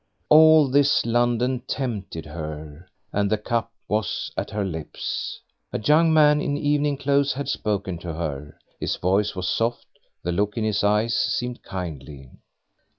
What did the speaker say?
All this London tempted her, and the cup was at her lips. A young man in evening clothes had spoken to her. His voice was soft, the look in his eyes seemed kindly.